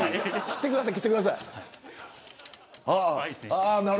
切ってください。